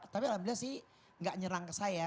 tapi alhamdulillah sih nggak nyerang ke saya